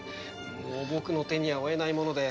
もう僕の手には負えないもので。